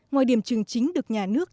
ngoài điểm trường chính được nhà nước